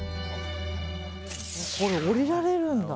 これ、下りられるんだ。